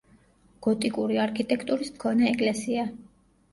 გოტიკური არქიტექტურის მქონე ეკლესია.